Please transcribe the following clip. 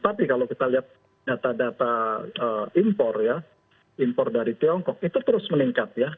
tapi kalau kita lihat data data impor ya impor dari tiongkok itu terus meningkat ya